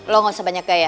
lo enggak usah banyak gaya